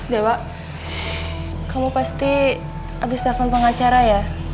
dewa kamu pasti habis telepon pengacara ya